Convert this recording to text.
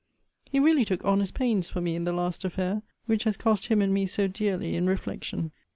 He really took honest pains for me in the last affair; which has cost him and me so dearly in reflection.